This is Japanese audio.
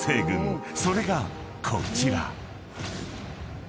［それがこちら］